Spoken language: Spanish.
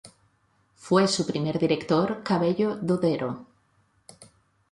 Fue su primer director Cabello Dodero.